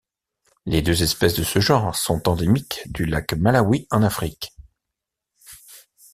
Les deux espèces de ce genre sont endémiques du lac Malawi en Afrique.